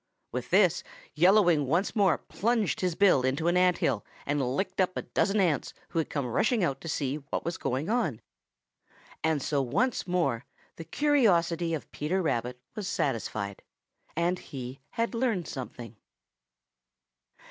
With this Yellow Wing once more plunged his bill into the ant hill and licked up a dozen ants who had come rushing out to see what was going on. And so once more the curiosity of Peter Rabbit was satisfied, and he had learned something.